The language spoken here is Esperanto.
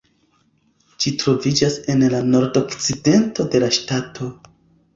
Ĝi troviĝas en la nordokcidento de la ŝtato.